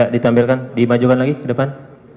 ditampilkan dimajukan lagi ke depan